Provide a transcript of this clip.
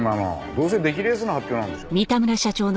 どうせ出来レースの発表なんでしょ？